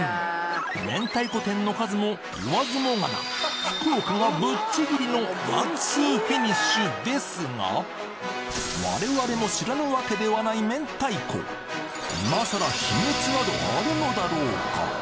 明太子店の数も言わずもがな福岡がぶっちぎりのワンツーフィニッシュですが我々も知らぬわけではない明太子今さら秘密などあるのだろうか？